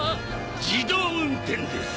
自動運転です。